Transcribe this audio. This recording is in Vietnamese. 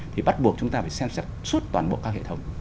thì bắt buộc chúng ta phải xem xét suốt toàn bộ các hệ thống